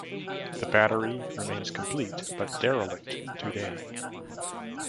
The battery remains complete but derelict today.